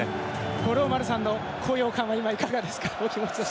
五郎丸さんの高揚感はいかがですか？